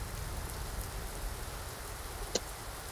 后来由湖南省博物馆修复。